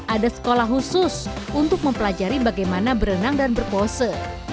ada sekolah khusus untuk mempelajari bagaimana berenang dan berpose